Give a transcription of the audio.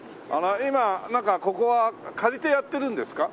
今ここは借りてやってるんですか？